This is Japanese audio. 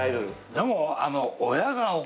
でも。